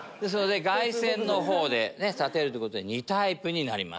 外旋の方で立てるってことで２タイプになります。